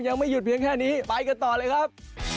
ยังไม่หยุดเพียงแค่นี้ไปกันต่อเลยครับ